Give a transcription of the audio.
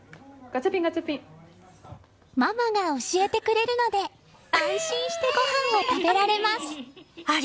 ママが教えてくれるので安心してごはんを食べられます。